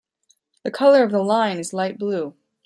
The color of the line is light blue.